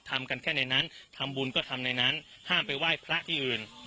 ทำกันแค่ในนั้นทำบุญก็ทำในนั้นห้ามไปไหว้พระที่อื่น